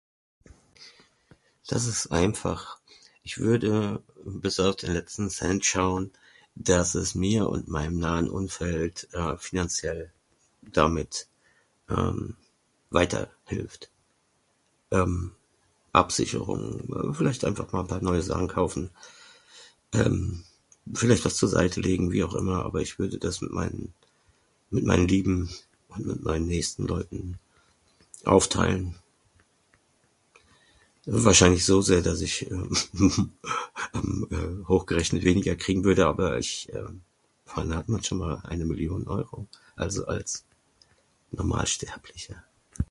Das ist einfach, ich würde bis auf den letzten Cent schauen, dass es mir und meinem nahen Umfeld finanziell damit weiterhilft. Absicherung, vielleicht einfach mal ein paar neue Sachen kaufen, vielleicht was zur Seite legen, wie auch immer, aber ich würde das mit mein- mit meinen Lieben und mit meinen nächsten Leuten aufteilen, wahrscheinlich so sehr, dass ich hochgerechnet weniger kriegen würde, aber ich- Wann hat man schon einmal eine Million Euro, also als Normalsterblicher?